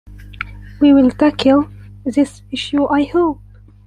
We will tackle this issue, I hope.